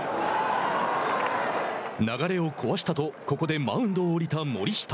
流れを壊したとここでマウンドを降りた森下。